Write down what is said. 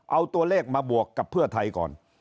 เอาตัวเลขมาบวกกับเพื่อไทยก่อน